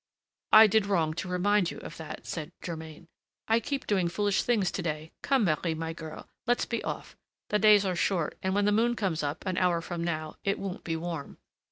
"I did wrong to remind you of that," said Germain, "I keep doing foolish things to day! Come, Marie, my girl, let's be off; the days are short, and when the moon comes up, an hour from now, it won't be warm."